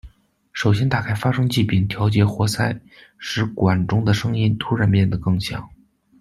首先打开发声器并调节活塞，使管中的声音突然变得更响。